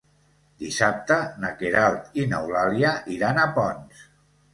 Dissabte na Queralt i n'Eulàlia iran a Ponts.